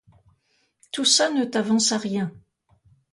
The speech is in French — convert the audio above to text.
Tout ça ne t'avance à rien.